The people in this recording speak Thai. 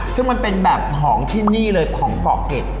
ซึ่งมันเป็นแบบของที่นี่เลยของเกาะเก็ด